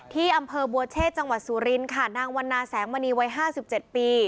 ที่อัมเภอบัวเชษจังหวัดสุรินค่ะนางวันนาแสงมณีวัยห้าสิบเจ็ดปี